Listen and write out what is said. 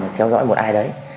mà theo dõi một ai đấy